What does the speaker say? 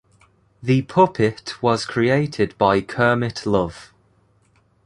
The puppet was created by Kermit Love.